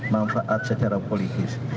manfaat secara politis